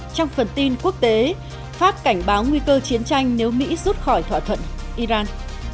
trong phần tin quốc tế pháp cảnh báo nguy cơ chiến tranh nếu mỹ rút khỏi thỏa thuận iran